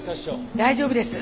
大丈夫です。